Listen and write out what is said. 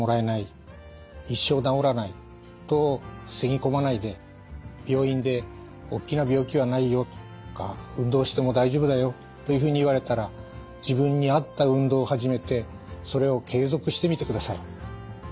一生治らないとふさぎ込まないで病院で「おっきな病気はないよ」とか「運動しても大丈夫だよ」というふうに言われたら自分に合った運動を始めてそれを継続してみてください。